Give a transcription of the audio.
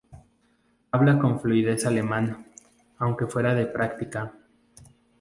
Habla con fluidez alemán, aunque fuera de práctica.